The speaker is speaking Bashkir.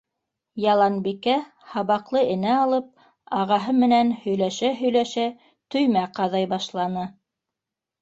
Яланбикә, һабаҡлы энә алып, ағаһы менән һөйләшә-һөйләшә төймә ҡаҙай башланы.